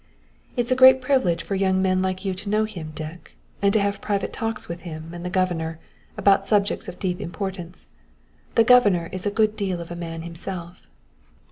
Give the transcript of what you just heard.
"It's a great privilege for a young man like you to know him, Dick, and to have private talks with him and the governor about subjects of deep importance. The governor is a good deal of a man himself."